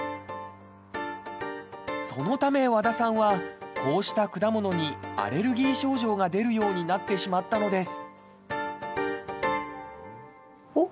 そのため、和田さんはこうした果物にアレルギー症状が出るようになってしまったのです。